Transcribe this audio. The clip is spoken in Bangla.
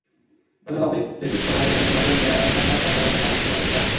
তবে বাপেক্স দেশের স্থলভাগে এককভাবে অনুসন্ধান কাজ চালানোর সামর্থ্য বাপেক্সের আছে।